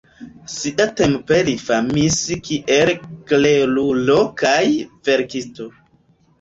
Siatempe li famis kiel klerulo kaj verkisto.